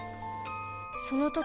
その時